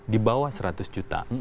di bawah seratus juta